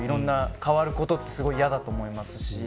変わることは嫌だと思いますし。